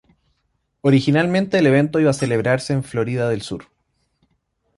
Originalmente el evento iba a celebrarse en Florida del Sur.